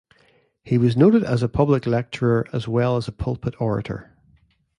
He was noted as a public lecturer as well as a pulpit orator.